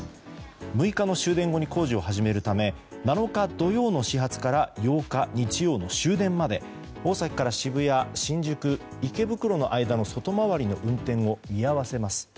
６日の終電後に工事を始めるため７日土曜の始発から８日日曜の終電まで大崎から渋谷、新宿、池袋の間の外回りの運転を見合わせます。